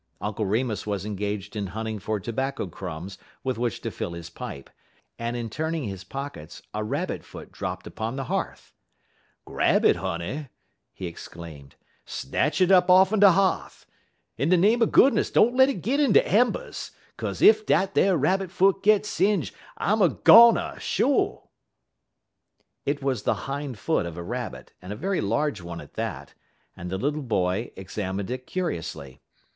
Uncle Remus was engaged in hunting for tobacco crumbs with which to fill his pipe, and in turning his pockets a rabbit foot dropped upon the hearth. "Grab it, honey!" he exclaimed. "Snatch it up off'n de h'a'th. In de name er goodness, don't let it git in de embers; 'kaze ef dat ar rabbit foot git singe, I'm a goner, sho'!" It was the hind foot of a rabbit, and a very large one at that, and the little boy examined it curiously.